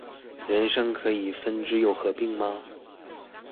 人生可以分支又合併嗎